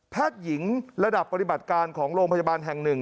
แพทยิงระดับปฏิบัติการของโรงพยาบาลแห่ง๑